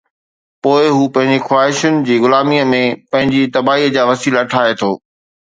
پوءِ هو پنهنجي خواهشن جي غلاميءَ ۾ پنهنجي تباهيءَ جا وسيلا ٺاهي ٿو.